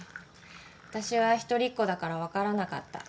私は一人っ子だから分からなかった。